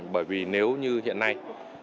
bởi vì nếu như hiện nay